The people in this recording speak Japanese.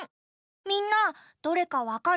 みんなどれかわかる？